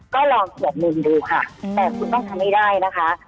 ก็ลองเขียนหนึ่งดูค่ะแต่คุณต้องทำให้ได้นะคะ